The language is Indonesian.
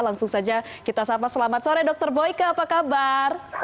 langsung saja kita sapa selamat sore dr boyke apa kabar